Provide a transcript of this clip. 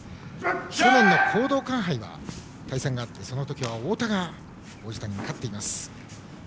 去年の講道館杯で対戦があってそのときは太田が王子谷に勝っています。